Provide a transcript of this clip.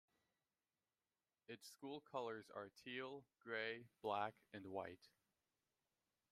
Its school colors are teal, gray, black, and white.